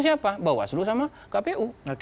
siapa bawaslu sama kpu